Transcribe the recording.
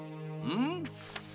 うん？